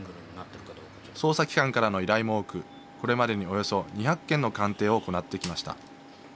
捜査機関からの依頼も多くこれまでにおよそ２００件の鑑定を行ってきました。